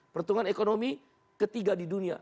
pertumbuhan ekonomi ketiga di dunia